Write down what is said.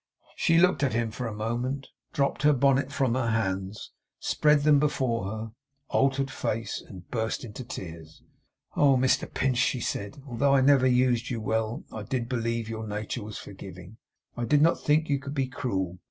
She looked at him for a moment; dropped her bonnet from her hands; spread them before her altered face, and burst into tears. 'Oh, Mr Pinch!' she said, 'although I never used you well, I did believe your nature was forgiving. I did not think you could be cruel.